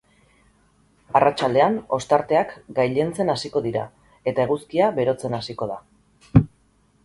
Arratsaldean ostarteak gailentzen hasiko dira eta eguzkia berotzen hasiko da.